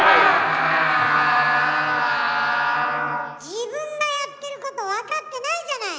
自分がやってること分かってないじゃない！